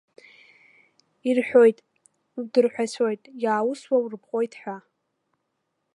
Ирҳәоит, удырҳәацәоит, иааусуа урыпҟоит ҳәа.